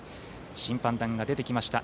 審判団が出てきました。